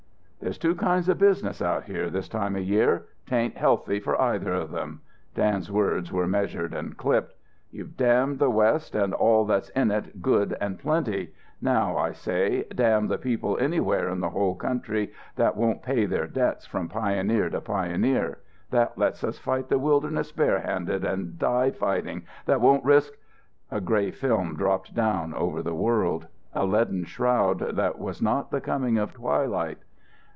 "There's two kinds of business out here this time of year. Tain't healthy for either of them." Dan's words were measured and clipped. "You've damned the West and all that's in it good and plenty. Now I say, damn the people anywhere in the whole country that won't pay their debts from pioneer to pioneer; that lets us fight the wilderness barehanded and die fighting; that won't risk " A grey film dropped down over the world, a leaden shroud that was not the coming of twilight.